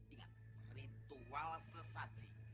ingat ritual sesaji